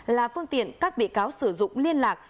là phương tiện các bị cáo sử dụng liên lạc